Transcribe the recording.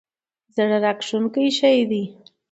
زړه راښکونکی شی دی.